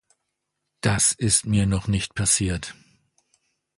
Das ist mir noch nicht passiert.